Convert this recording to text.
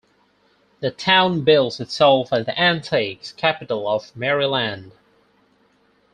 The town bills itself as the "Antiques capital of Maryland".